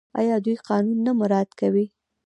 آیا دوی قانون نه مراعات کوي؟